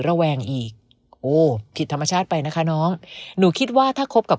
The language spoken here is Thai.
ระแวงอีกโอ้ผิดธรรมชาติไปนะคะน้องหนูคิดว่าถ้าคบกับ